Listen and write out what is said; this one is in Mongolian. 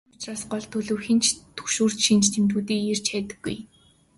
Ийм учраас гол төлөв хэн ч түгшүүрт шинж тэмдгүүдийг эрж хайдаггүй.